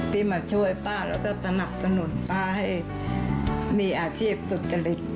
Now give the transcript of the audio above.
ที่มาช่วยป้าแล้วก็สนับสนุนป้าให้มีอาชีพสุจริต